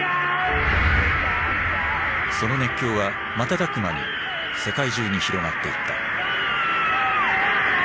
その熱狂は瞬く間に世界中に広がっていった。